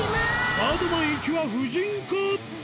バードマン行きは夫人か？